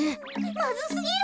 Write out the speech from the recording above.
まずすぎる。